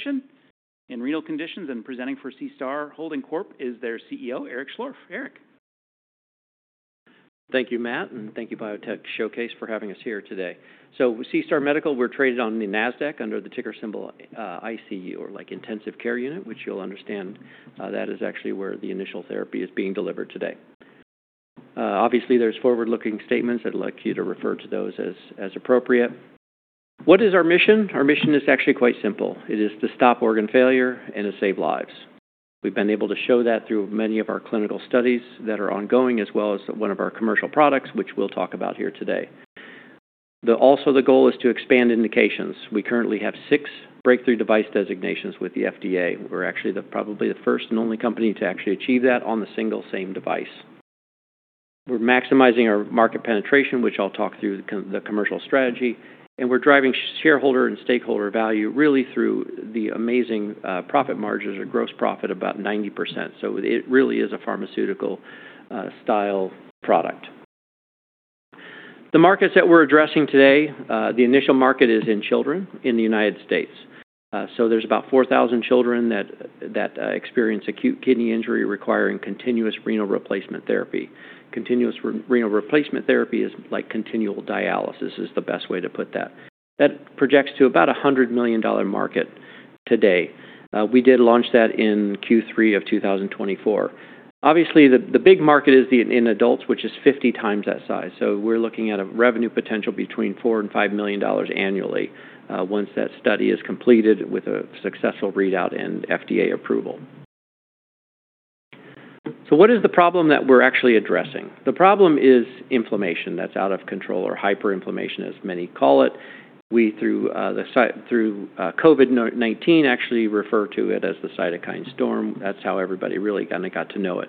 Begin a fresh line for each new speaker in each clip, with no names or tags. Patient in renal conditions and presenting for SeaStar Holding Corporation is their CEO, Eric Schlorff. Eric.
Thank you, Matt, and thank you, Biotech Showcase, for having us here today. So with SeaStar Medical, we're traded on the Nasdaq under the ticker symbol ICU, or like Intensive Care Unit, which you'll understand that is actually where the initial therapy is being delivered today. Obviously, there's forward-looking statements. I'd like you to refer to those as appropriate. What is our mission? Our mission is actually quite simple. It is to stop organ failure and to save lives. We've been able to show that through many of our clinical studies that are ongoing, as well as one of our commercial products, which we'll talk about here today. Also, the goal is to expand indications. We currently have six Breakthrough Device designations with the FDA. We're actually probably the first and only company to actually achieve that on the single same device. We're maximizing our market penetration, which I'll talk through the commercial strategy, and we're driving shareholder and stakeholder value really through the amazing profit margins or gross profit of about 90%. So it really is a pharmaceutical-style product. The markets that we're addressing today, the initial market is in children in the United States. So there's about 4,000 children that experience acute kidney injury requiring continuous renal replacement therapy. Continuous renal replacement therapy is like continual dialysis is the best way to put that. That projects to about a $100 million market today. We did launch that in Q3 of 2024. Obviously, the big market is in adults, which is 50 times that size. So we're looking at a revenue potential between $4-$5 million annually once that study is completed with a successful readout and FDA approval. So what is the problem that we're actually addressing? The problem is inflammation that's out of control or hyperinflammation, as many call it. We, through COVID-19, actually refer to it as the cytokine storm. That's how everybody really kind of got to know it.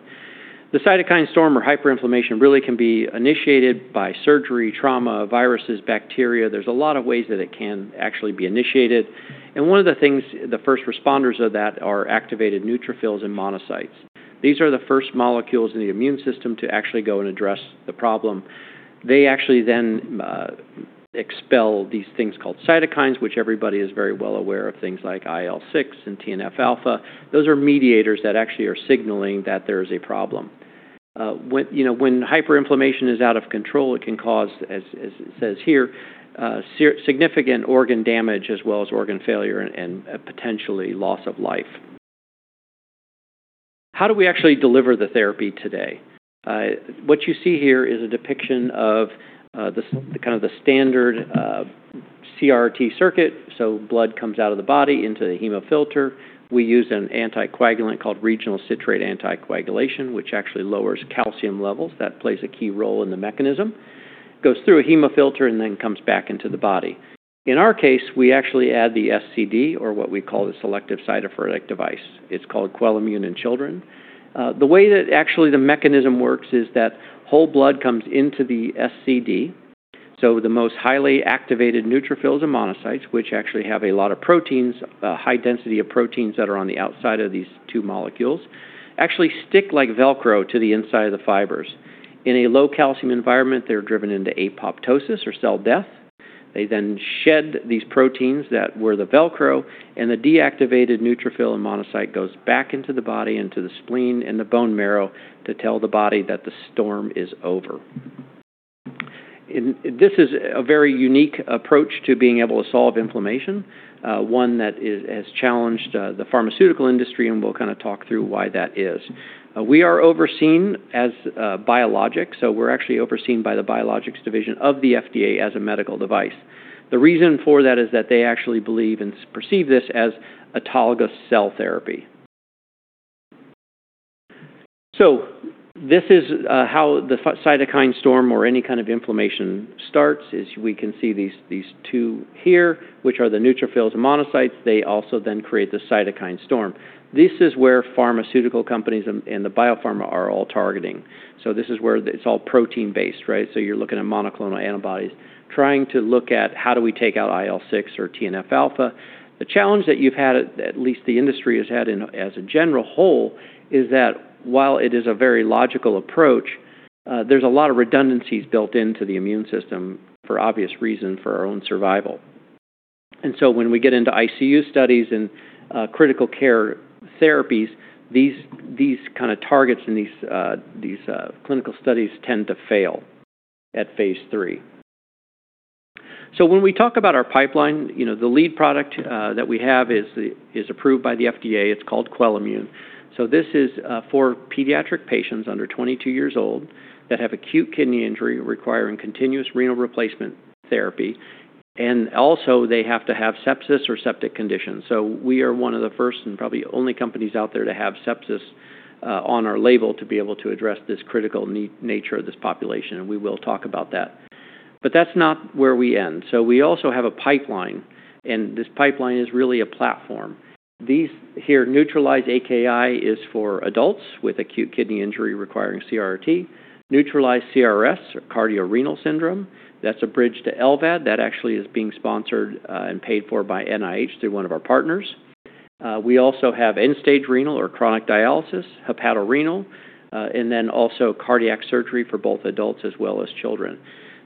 The cytokine storm or hyperinflammation really can be initiated by surgery, trauma, viruses, bacteria. There's a lot of ways that it can actually be initiated, and one of the things the first responders of that are activated neutrophils and monocytes. These are the first molecules in the immune system to actually go and address the problem. They actually then expel these things called cytokines, which everybody is very well aware of, things like IL-6 and TNF-α. Those are mediators that actually are signaling that there is a problem. When hyperinflammation is out of control, it can cause, as it says here, significant organ damage, as well as organ failure and potentially loss of life. How do we actually deliver the therapy today? What you see here is a depiction of kind of the standard CRRT circuit. So blood comes out of the body into the hemofilter. We use an anticoagulant called regional citrate anticoagulation, which actually lowers calcium levels. That plays a key role in the mechanism. It goes through a hemofilter and then comes back into the body. In our case, we actually add the SCD, or what we call the Selective Cytopheretic Device. It's called QUELIMMUNE in children. The way that actually the mechanism works is that whole blood comes into the SCD. So the most highly activated neutrophils and monocytes, which actually have a lot of proteins, a high density of proteins that are on the outside of these two molecules, actually stick like Velcro to the inside of the fibers. In a low-calcium environment, they're driven into apoptosis or cell death. They then shed these proteins that were the Velcro, and the deactivated neutrophil and monocyte goes back into the body, into the spleen and the bone marrow to tell the body that the storm is over. This is a very unique approach to being able to solve inflammation, one that has challenged the pharmaceutical industry, and we'll kind of talk through why that is. We are overseen as Biologics, so we're actually overseen by the Biologics division of the FDA as a medical device. The reason for that is that they actually believe and perceive this as autologous cell therapy. So this is how the cytokine storm or any kind of inflammation starts. We can see these two here, which are the neutrophils and monocytes. They also then create the cytokine storm. This is where pharmaceutical companies and the biopharma are all targeting. So this is where it's all protein-based, right? So you're looking at monoclonal antibodies, trying to look at how do we take out IL-6 or TNF-α. The challenge that you've had, at least the industry has had as a general whole, is that while it is a very logical approach, there's a lot of redundancies built into the immune system for obvious reasons for our own survival. And so when we get into ICU studies and critical care therapies, these kind of targets and these clinical studies tend to fail at phase three. So when we talk about our pipeline, the lead product that we have is approved by the FDA. It's called QUELIMMUNE. So this is for pediatric patients under 22 years old that have acute kidney injury requiring continuous renal replacement therapy. And also, they have to have sepsis or septic conditions, so we are one of the first and probably only companies out there to have sepsis on our label to be able to address this critical nature of this population. And we will talk about that, but that's not where we end, so we also have a pipeline, and this pipeline is really a platform. These here, NEUTRALIZE-AKI, is for adults with acute kidney injury requiring CRRT. NEUTRALIZE-CRS or cardiorenal syndrome. That's a bridge to LVAD. That actually is being sponsored and paid for by NIH through one of our partners. We also have end-stage renal or chronic dialysis, hepatorenal, and then also cardiac surgery for both adults as well as children,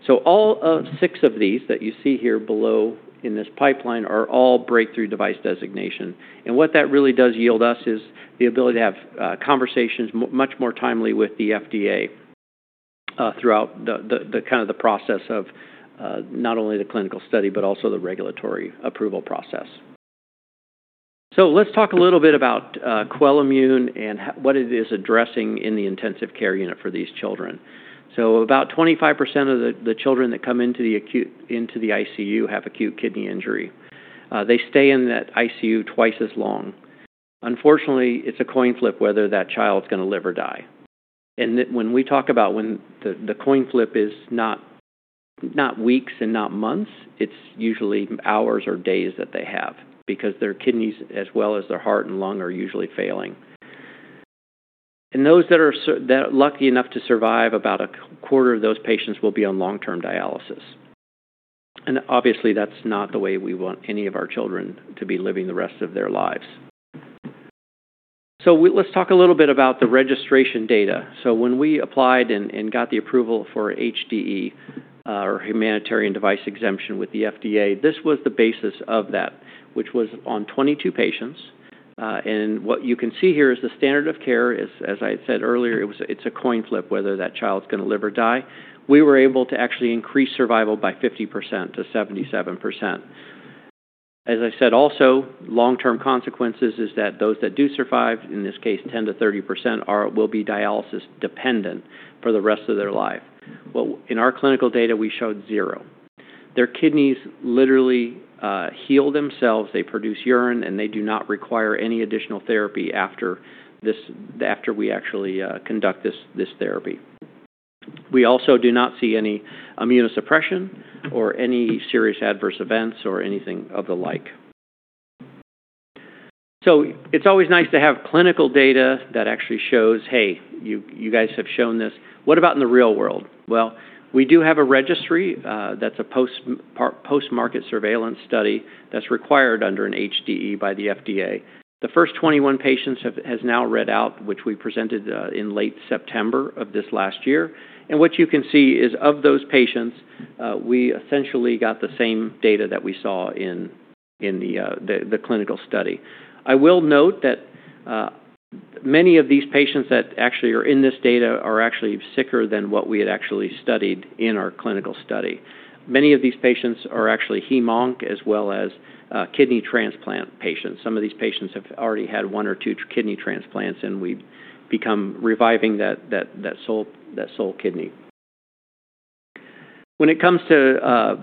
so all six of these that you see here below in this pipeline are all Breakthrough Device designation. And what that really does yield us is the ability to have conversations much more timely with the FDA throughout the kind of the process of not only the clinical study, but also the regulatory approval process. So let's talk a little bit about QUELIMMUNE and what it is addressing in the intensive care unit for these children. So about 25% of the children that come into the ICU have acute kidney injury. They stay in that ICU twice as long. Unfortunately, it's a coin flip whether that child's going to live or die. And when we talk about when the coin flip is not weeks and not months, it's usually hours or days that they have because their kidneys, as well as their heart and lung, are usually failing. And those that are lucky enough to survive, about a quarter of those patients will be on long-term dialysis. Obviously, that's not the way we want any of our children to be living the rest of their lives. Let's talk a little bit about the registration data. When we applied and got the approval for HDE, or Humanitarian Device Exemption, with the FDA, this was the basis of that, which was on 22 patients. What you can see here is the standard of care. As I said earlier, it's a coin flip whether that child's going to live or die. We were able to actually increase survival by 50%-77%. As I said also, long-term consequences is that those that do survive, in this case, 10%-30%, will be dialysis dependent for the rest of their life. In our clinical data, we showed zero. Their kidneys literally heal themselves. They produce urine, and they do not require any additional therapy after we actually conduct this therapy. We also do not see any immunosuppression or any serious adverse events or anything of the like. So it's always nice to have clinical data that actually shows, "Hey, you guys have shown this. What about in the real world?" Well, we do have a registry that's a post-market surveillance study that's required under an HDE by the FDA. The first 21 patients have now read out, which we presented in late September of this last year. And what you can see is, of those patients, we essentially got the same data that we saw in the clinical study. I will note that many of these patients that actually are in this data are actually sicker than what we had actually studied in our clinical study. Many of these patients are actually hem-onc as well as kidney transplant patients. Some of these patients have already had one or two kidney transplants, and we've become reliant on that sole kidney. When it comes to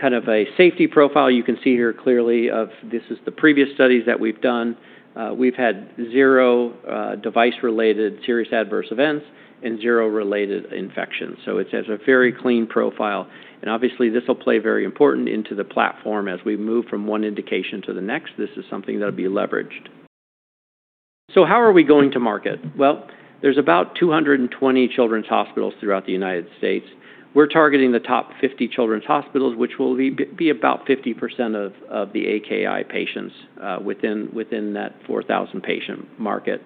kind of a safety profile, you can see here, clearly this is the previous studies that we've done. We've had zero device-related serious adverse events and zero related infections, so it has a very clean profile, and obviously this will play very important into the platform as we move from one indication to the next. This is something that will be leveraged, so how are we going to market? Well, there's about 220 children's hospitals throughout the United States. We're targeting the top 50 children's hospitals, which will be about 50% of the AKI patients within that 4,000-patient market.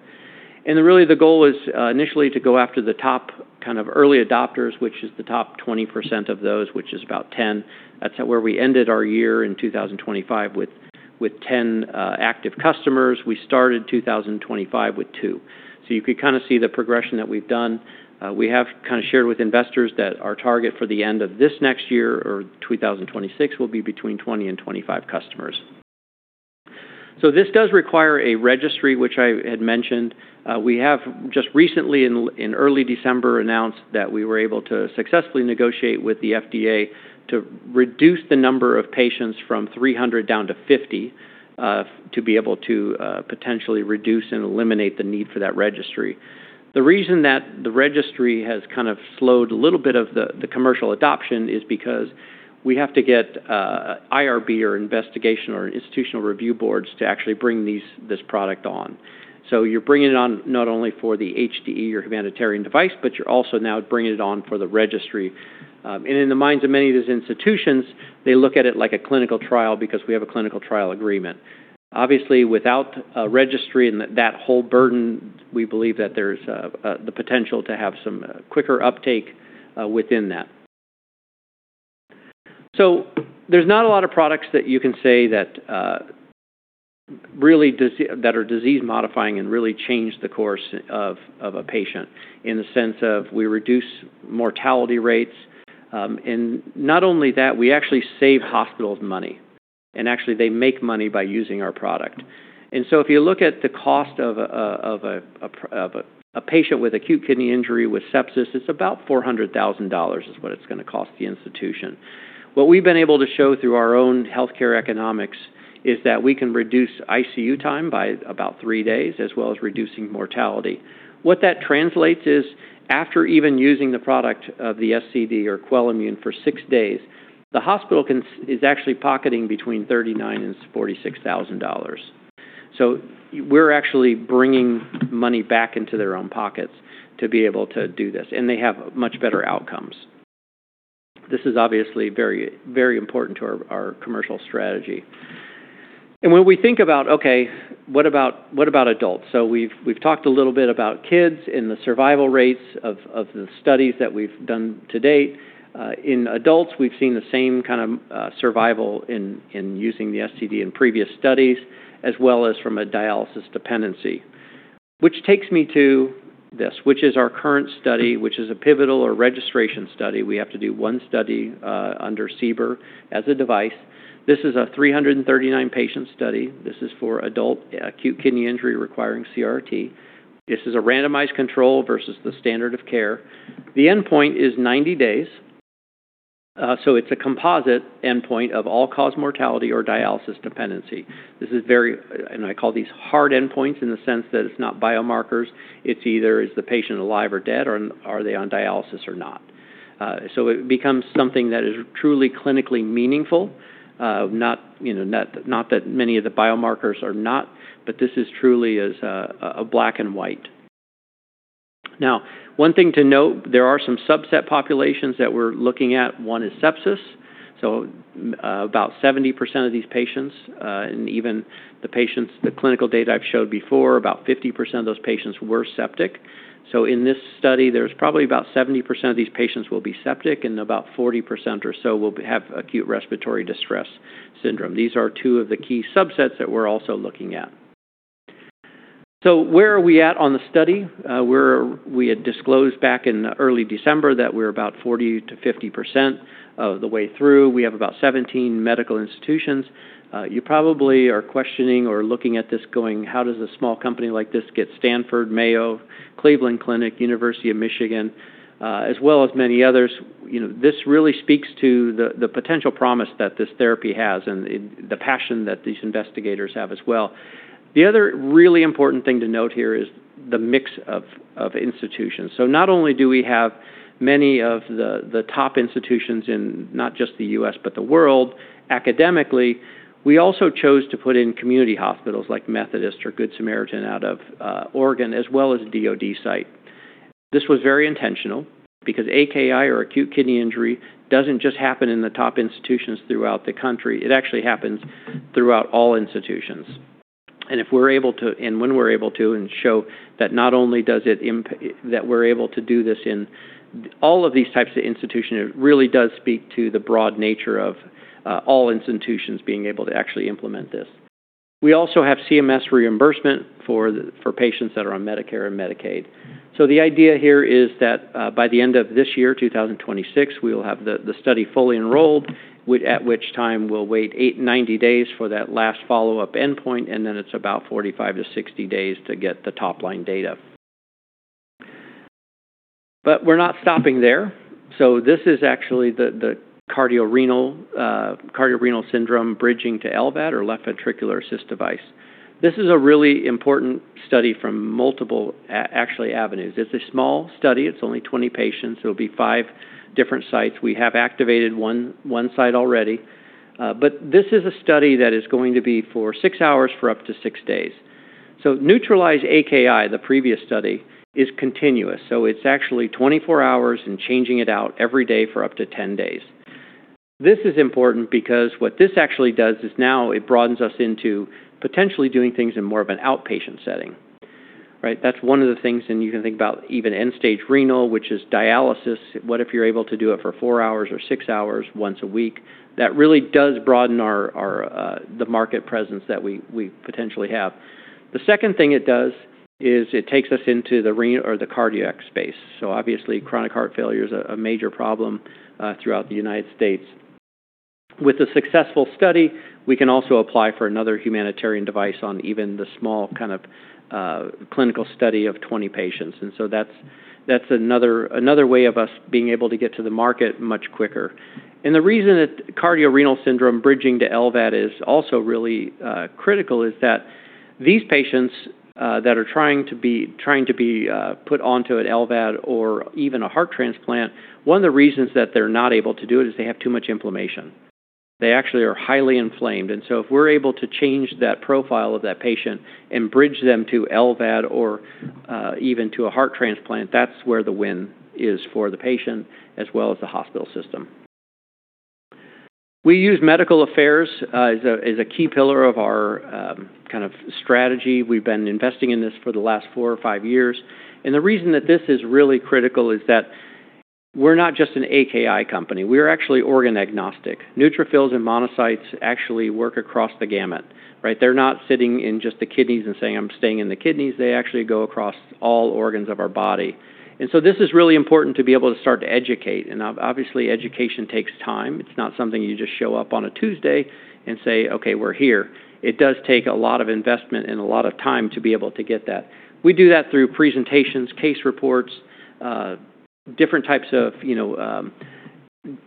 Really, the goal was initially to go after the top kind of early adopters, which is the top 20% of those, which is about 10. That's where we ended our year in 2025 with 10 active customers. We started 2025 with two. You could kind of see the progression that we've done. We have kind of shared with investors that our target for the end of this next year or 2026 will be between 20 and 25 customers. This does require a registry, which I had mentioned. We have just recently, in early December, announced that we were able to successfully negotiate with the FDA to reduce the number of patients from 300 down to 50 to be able to potentially reduce and eliminate the need for that registry. The reason that the registry has kind of slowed a little bit of the commercial adoption is because we have to get IRB or institutional review boards to actually bring this product on. So you're bringing it on not only for the HDE or humanitarian device, but you're also now bringing it on for the registry. And in the minds of many of these institutions, they look at it like a clinical trial because we have a clinical trial agreement. Obviously, without a registry and that whole burden, we believe that there's the potential to have some quicker uptake within that. So there's not a lot of products that you can say that really are disease-modifying and really change the course of a patient in the sense of we reduce mortality rates. And not only that, we actually save hospitals money. And actually, they make money by using our product. And so if you look at the cost of a patient with acute kidney injury with sepsis, it's about $400,000. That is what it's going to cost the institution. What we've been able to show through our own healthcare economics is that we can reduce ICU time by about three days as well as reducing mortality. What that translates to is after even using the product of the SCD or QUELIMMUNE for six days, the hospital is actually pocketing between $39,000 and $46,000. So we're actually bringing money back into their own pockets to be able to do this. And they have much better outcomes. This is obviously very important to our commercial strategy. And when we think about, "Okay, what about adults?" So we've talked a little bit about kids and the survival rates of the studies that we've done to date. In adults, we've seen the same kind of survival in using the SCD in previous studies as well as from a dialysis dependency, which takes me to this, which is our current study, which is a pivotal or registration study. We have to do one study under CBER as a device. This is a 339-patient study. This is for adult acute kidney injury requiring CRRT. This is a randomized control versus the standard of care. The endpoint is 90 days. So it's a composite endpoint of all-cause mortality or dialysis dependency. This is very, and I call these hard endpoints in the sense that it's not biomarkers. It's either is the patient alive or dead, or are they on dialysis or not? So it becomes something that is truly clinically meaningful, not that many of the biomarkers are not, but this is truly a black and white. Now, one thing to note, there are some subset populations that we're looking at. One is sepsis. So about 70% of these patients, and even the patients, the clinical data I've showed before, about 50% of those patients were septic. So in this study, there's probably about 70% of these patients will be septic, and about 40% or so will have acute respiratory distress syndrome. These are two of the key subsets that we're also looking at. So where are we at on the study? We had disclosed back in early December that we're about 40%-50% of the way through. We have about 17 medical institutions. You probably are questioning or looking at this going, "How does a small company like this get Stanford, Mayo, Cleveland Clinic, University of Michigan, as well as many others?" This really speaks to the potential promise that this therapy has and the passion that these investigators have as well. The other really important thing to note here is the mix of institutions. So not only do we have many of the top institutions in not just the U.S., but the world, academically, we also chose to put in community hospitals like Methodist or Good Samaritan out of Oregon, as well as DOD site. This was very intentional because AKI or acute kidney injury doesn't just happen in the top institutions throughout the country. It actually happens throughout all institutions. If we're able to, and when we're able to, and show that not only does it that we're able to do this in all of these types of institutions, it really does speak to the broad nature of all institutions being able to actually implement this. We also have CMS reimbursement for patients that are on Medicare and Medicaid. The idea here is that by the end of this year, 2026, we will have the study fully enrolled, at which time we'll wait 90 days for that last follow-up endpoint, and then it's about 45-60 days to get the top-line data. We're not stopping there. This is actually the cardiorenal syndrome bridging to LVAD or left ventricular assist device. This is a really important study from multiple, actually, avenues. It's a small study. It's only 20 patients. It'll be five different sites. We have activated one site already. But this is a study that is going to be for six hours for up to six days. So NEUTRALIZE-AKI, the previous study, is continuous. So it's actually 24 hours and changing it out every day for up to 10 days. This is important because what this actually does is now it broadens us into potentially doing things in more of an outpatient setting. Right? That's one of the things. And you can think about even end-stage renal, which is dialysis. What if you're able to do it for four hours or six hours once a week? That really does broaden the market presence that we potentially have. The second thing it does is it takes us into the cardiac space. So obviously, chronic heart failure is a major problem throughout the United States. With a successful study, we can also apply for another humanitarian device with even the small kind of clinical study of 20 patients. And so that's another way of us being able to get to the market much quicker. And the reason that cardiorenal syndrome bridging to LVAD is also really critical is that these patients that are trying to be put onto an LVAD or even a heart transplant, one of the reasons that they're not able to do it is they have too much inflammation. They actually are highly inflamed. And so if we're able to change that profile of that patient and bridge them to LVAD or even to a heart transplant, that's where the win is for the patient as well as the hospital system. We use medical affairs as a key pillar of our kind of strategy. We've been investing in this for the last four or five years. And the reason that this is really critical is that we're not just an AKI company. We're actually organ agnostic. Neutrophils and monocytes actually work across the gamut. Right? They're not sitting in just the kidneys and saying, "I'm staying in the kidneys." They actually go across all organs of our body. And so this is really important to be able to start to educate. And obviously, education takes time. It's not something you just show up on a Tuesday and say, "Okay, we're here." It does take a lot of investment and a lot of time to be able to get that. We do that through presentations, case reports, different types of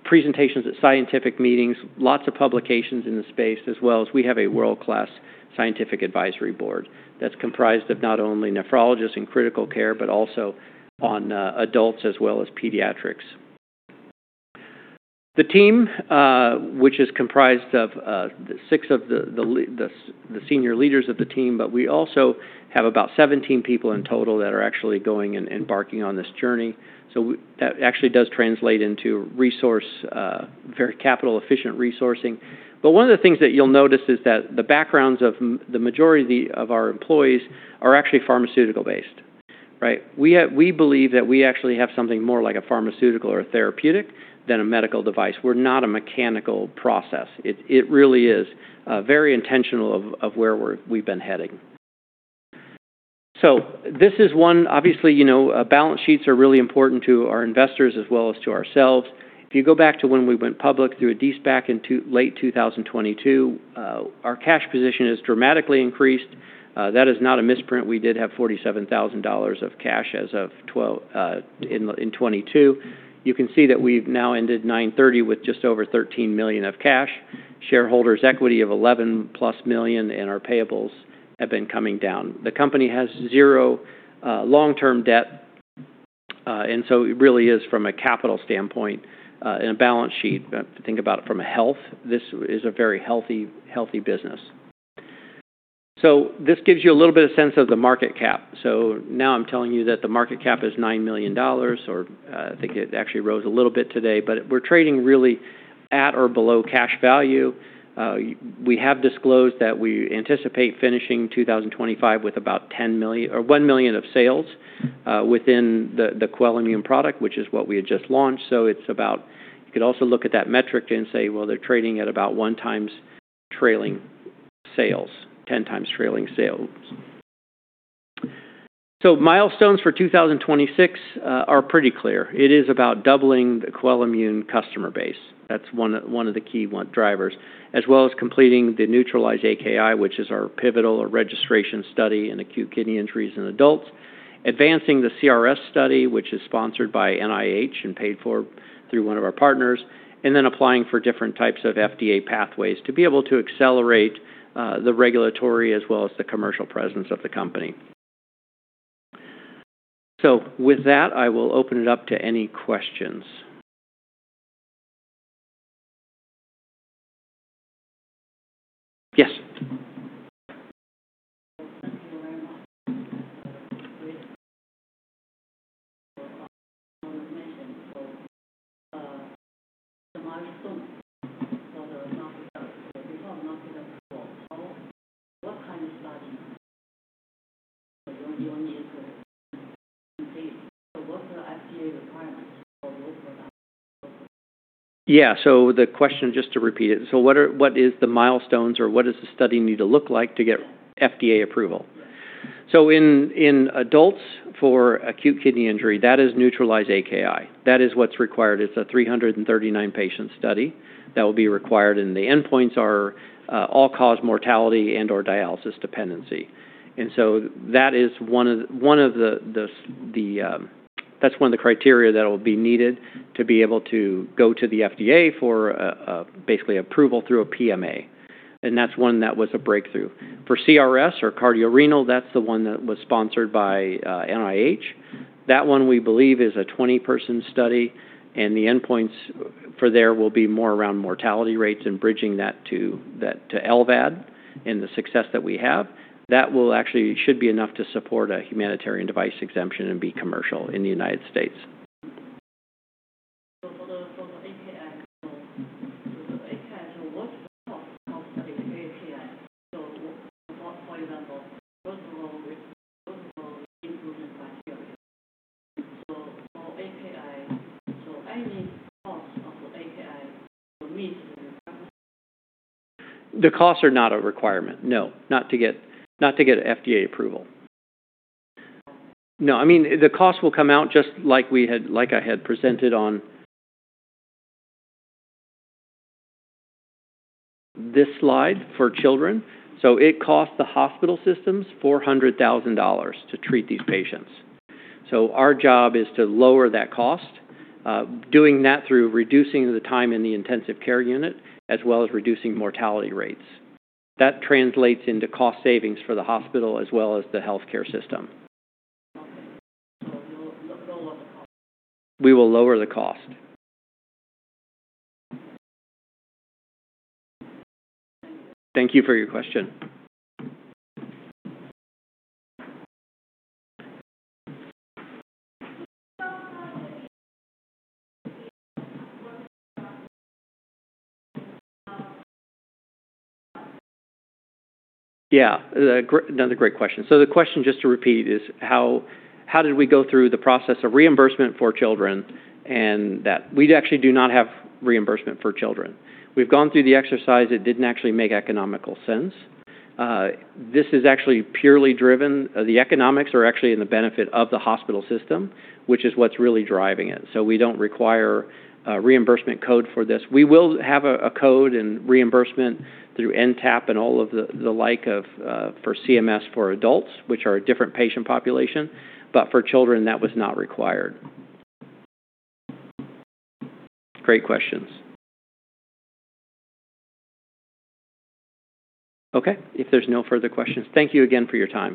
presentations at scientific meetings, lots of publications in the space, as well as we have a world-class scientific advisory board that's comprised of not only nephrologists in critical care, but also on adults as well as pediatrics. The team, which is comprised of six of the senior leaders of the team, but we also have about 17 people in total that are actually going and embarking on this journey. So that actually does translate into capital-efficient resourcing. But one of the things that you'll notice is that the backgrounds of the majority of our employees are actually pharmaceutical-based. Right? We believe that we actually have something more like a pharmaceutical or a therapeutic than a medical device. We're not a mechanical process. It really is very intentional of where we've been heading. So this is one, obviously. Balance sheets are really important to our investors as well as to ourselves. If you go back to when we went public through a de-SPAC in late 2022, our cash position has dramatically increased. That is not a misprint. We did have $47,000 of cash as of in 2022. You can see that we've now ended 9/30 with just over $13 million of cash, shareholders' equity of $11 million-plus, and our payables have been coming down. The company has zero long-term debt. And so it really is from a capital standpoint and a balance sheet. Think about it from a health. This is a very healthy business. So this gives you a little bit of sense of the market cap. So now I'm telling you that the market cap is $9 million, or I think it actually rose a little bit today, but we're trading really at or below cash value. We have disclosed that we anticipate finishing 2025 with about one million of sales within the QUELIMMUNE product, which is what we had just launched. So it's about. You could also look at that metric and say, "Well, they're trading at about one times trailing sales, 10 times trailing sales." So milestones for 2026 are pretty clear. It is about doubling the QUELIMMUNE customer base. That's one of the key drivers, as well as completing the NEUTRALIZE-AKI, which is our pivotal or registration study in acute kidney injuries in adults, advancing the CRS study, which is sponsored by NIH and paid for through one of our partners, and then applying for different types of FDA pathways to be able to accelerate the regulatory as well as the commercial presence of the company. So with that, I will open it up to any questions. Yes. Yeah. So the question, just to repeat it, so what is the milestones or what does the study need to look like to get FDA approval? So in adults for acute kidney injury, that is NEUTRALIZE-AKI. That is what's required. It's a 339-patient study that will be required, and the endpoints are all-cause mortality and/or dialysis dependency. And so that is one of the criteria that will be needed to be able to go to the FDA for basically approval through a PMA. And that's one that was a breakthrough. For CRS or cardiorenal, that's the one that was sponsored by NIH. That one we believe is a 20-person study, and the endpoints for there will be more around mortality rates and bridging that to LVAD and the success that we have. That actually should be enough to support a humanitarian device exemption and be commercial in the United States. The costs are not a requirement. No, not to get FDA approval. No. I mean, the cost will come out just like I had presented on this slide for children. So it costs the hospital systems $400,000 to treat these patients. So our job is to lower that cost, doing that through reducing the time in the intensive care unit as well as reducing mortality rates. That translates into cost savings for the hospital as well as the healthcare system. We will lower the cost. Thank you for your question. Yeah. Another great question. So the question, just to repeat, is how did we go through the process of reimbursement for children and that? We actually do not have reimbursement for children. We've gone through the exercise. It didn't actually make economical sense. This is actually purely driven. The economics are actually in the benefit of the hospital system, which is what's really driving it. So we don't require a reimbursement code for this. We will have a code and reimbursement through NTAP and all of the like for CMS for adults, which are a different patient population. But for children, that was not required. Great questions.
Okay. If there's no further questions, thank you again for your time.